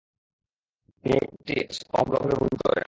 তিনি একে একটি অম্ল ভেবে ভুল করেন।